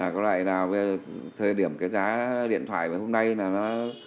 có lẽ là thời điểm cái giá điện thoại hôm nay là nó